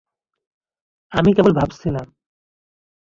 আমি কেবল ভাবছিলাম।